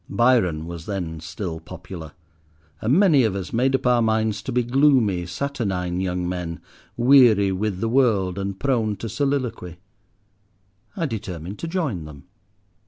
Byron was then still popular, and many of us made up our minds to be gloomy, saturnine young men, weary with the world, and prone to soliloquy. I determined to join them.